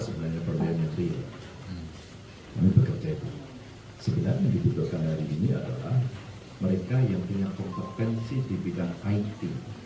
sebenarnya yang dibutuhkan hari ini adalah mereka yang punya kompetensi di bidang it